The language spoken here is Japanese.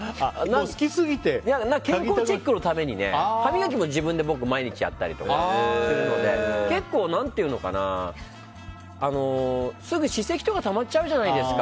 健康チェックのために歯磨きも自分でやったりとかするのですぐ歯石とたまっちゃうじゃないですか。